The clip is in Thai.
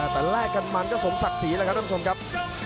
แต่แลกกันมันก็สมศักดิ์ศรีแล้วครับท่านผู้ชมครับ